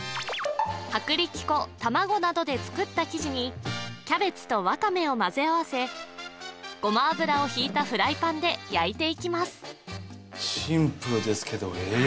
薄力粉卵などで作った生地にキャベツとわかめをまぜ合わせごま油をひいたフライパンで焼いていきます